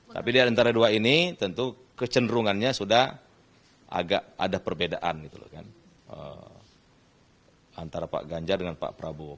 tapi di antara dua ini tentu kecenderungannya sudah agak ada perbedaan antara pak ganjar dan pak prabowo